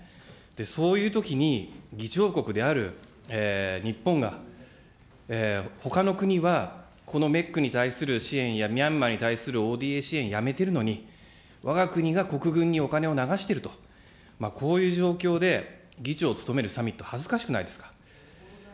そういうときに、議長国である日本が、ほかの国はこのメックに対する支援やミャンマーに対するＯＤＡ支援やめてるのに、わが国が国軍にお金を流していると、こういう状況で議長を務めるサミット、恥ずかしくないですか。